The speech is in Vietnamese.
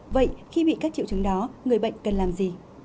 vậy khi bị các triệu chứng đó người bệnh cần làm gì